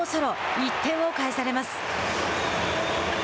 １点を返されます。